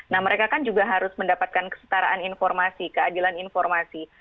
nah mereka kan juga harus mendapatkan kesetaraan informasi keadilan informasi